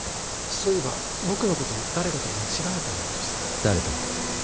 そういえば僕のことを誰かと間違えたようでした誰と？